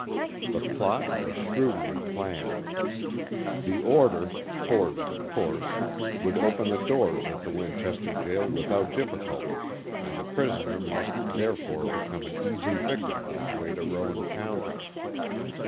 The plot was shrewdly planned. The order, forged, of course, would open the doors of the Winchester jail without difficulty, and the prisoner must, therefore, become an easy victim on his way to Rowan County.